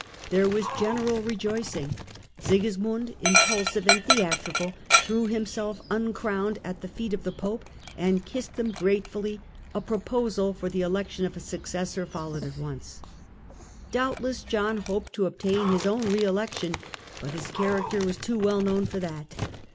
There was general rejoicing ; Sigismiind, impulsive and theatri cal, threw himself uncrowned at the feet of the Pope and kissed them gratefully : a proposal for the election of a successor followed at once. Doubtless John hoped to obtain his own re election, but his character was too well known for that.